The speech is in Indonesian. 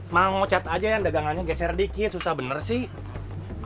mau cat aja yang dagangannya geser dikit susah bener sih